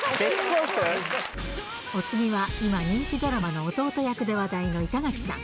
お次は、今、人気ドラマの弟役で話題の板垣さん。